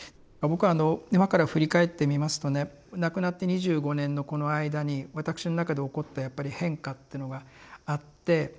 僕はあの今から振り返ってみますとね亡くなって２５年のこの間にわたくしの中で起こったやっぱり変化っていうのがあって。